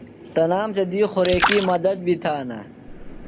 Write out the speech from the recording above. تنام تھےۡ دُوئی خوریکِیمی مدد بیۡ تھانہ۔